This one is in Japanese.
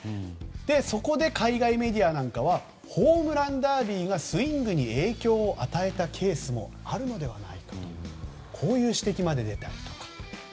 そこで海外メディアなんかはホームランダービーがスイングに影響を与えたケースもあるのではないかとこういう指摘まで出たと。